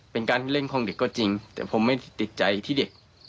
เป็นการที่เล่นของเด็กก็จริงแต่ผมไม่ติดใจที่เด็ก